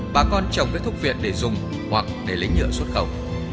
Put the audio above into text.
bà con trồng cây thuốc viện để dùng hoặc để lấy nhựa xuất khẩu